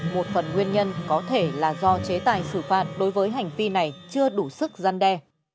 một phần nguyên nhân có thể là do chế tài xử phạt đối với hành vi này chưa đủ sức gian đe